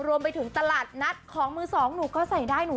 รวมไปถึงตลาดนัดของมือสองหนูก็ใส่ได้หนู